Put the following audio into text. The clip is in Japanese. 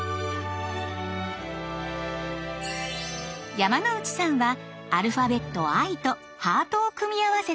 山之内さんはアルファベット「Ｉ」とハートを組み合わせた